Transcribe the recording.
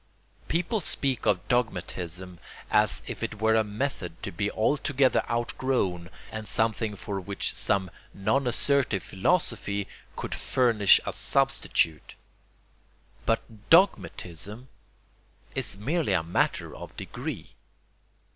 People speak of dogmatism as if it were a method to be altogether outgrown and something for which some non assertive philosophy could furnish a substitute. But dogmatism is merely a matter of degree.